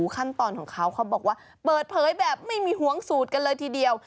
ขั้นตอนของเขาเขาบอกว่าเปิดเผยแบบไม่มีหวงสูตรกันเลยทีเดียว